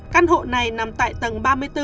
căn hộ này nằm tại tầng ba mươi bốn